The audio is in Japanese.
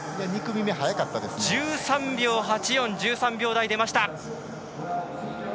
１３秒８４１３秒台が出ました。